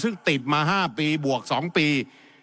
ซึ่งติดมา๕ปีบวก๒ปี